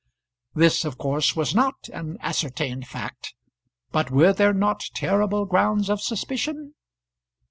This of course was not an ascertained fact; but were there not terrible grounds of suspicion?